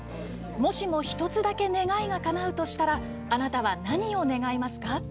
もしも一つだけ願いがかなうとしたらあなたは何を願いますか？